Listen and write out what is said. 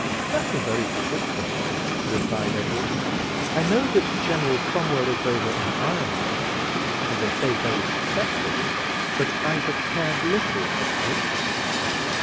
"Nothing very particular," replied Edward; "I know that General Cromwell is over in Ireland, and they say very successful; but I have cared little for particulars."